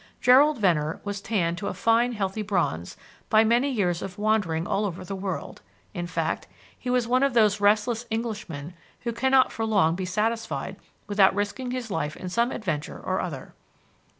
Gerald Venner was tanned to a fine, healthy bronze by many years of wandering all over the world; in fact, he was one of those restless Englishmen who cannot for long be satisfied without risking his life in some adventure or other.